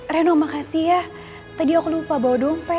reno makasih ya tadi aku lupa bawa dompet